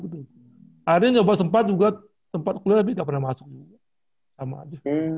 akhirnya nyoba sempat juga sempat kuliah tapi nggak pernah masuk juga sama aja